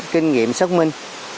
kinh nghiệm xuất minh